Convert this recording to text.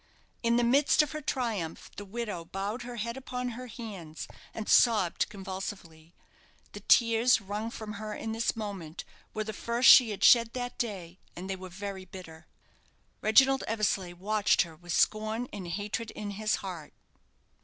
In the midst of her triumph the widow bowed her head upon her hands, and sobbed convulsively. The tears wrung from her in this moment were the first she had shed that day, and they were very bitter. Reginald Eversleigh watched her with scorn and hatred in his heart.